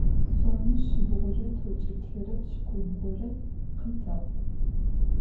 Сомэ шъибгъурэ тlокlиплlрэ пшlыкlубгъурэ къытыгъ